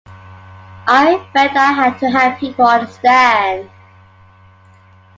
I felt I had to help people understand.